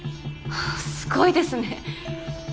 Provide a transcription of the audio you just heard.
すごいですね！